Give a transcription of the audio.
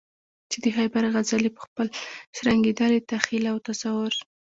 چې د خیبر غزل یې په خپل شرنګېدلي تخیل او تصور.